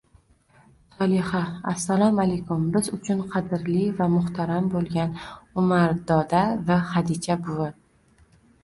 Solixa: Assalomu alaykum biz uchun kadrli va muxtaram bulgan Umar doda va Xadicha buvi..